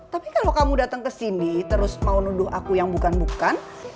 tapi kalau kamu datang ke sini terus mau nuduh aku yang bukan bukan